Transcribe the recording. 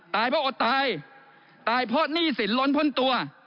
เพราะอดตายตายเพราะหนี้สินล้นพ่นตัว